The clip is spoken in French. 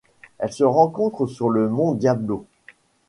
Elle se rencontre sur le mont Diablo.